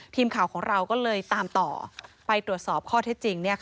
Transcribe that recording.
ทีมข่าวของเราก็เลยตามต่อไปตรวจสอบข้อเท็จจริง